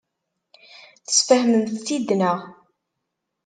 Tesfehmemt-tt-id, naɣ?